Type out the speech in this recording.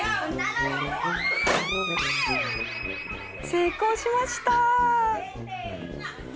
成功しました。